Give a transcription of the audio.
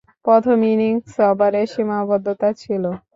প্রথম ইনিংসে ওভারের সীমাবদ্ধতা ছিল।